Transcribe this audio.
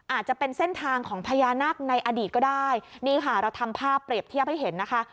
อาจจะเป็นเส้นทางของพญานาคในอดีตก็ได้นี่ค่ะเราทำภาพเปรียบเทียบให้เห็นนะคะ